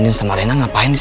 gak ada pengangkapan